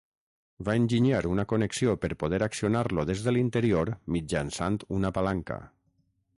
Va enginyar una connexió per poder accionar-lo des de l'interior mitjançant una palanca.